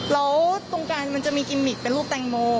และมันจะมีกิมมิตเป็นลูกตังโม